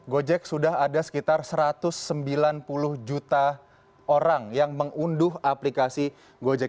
gojek sudah ada sekitar satu ratus sembilan puluh juta orang yang mengunduh aplikasi gojek